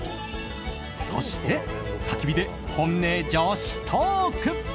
そして、たき火で本音女子トーク。